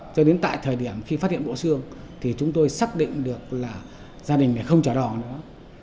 cho đến tại thời điểm khi phát hiện bộ xương thì chúng tôi xác định được là gia đình này không trò đò nữa